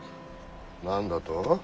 何だと？